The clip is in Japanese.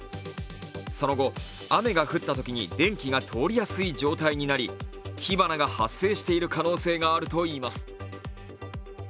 その後、雨が降ったときに電気が通りやすい状態になり火花が発生している可能性があるといいます。